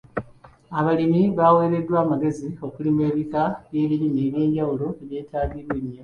Abalimi baweereddwa amagezi okulima ebika by'ebirime eby'enjawulo ebyetaagibwa ennyo.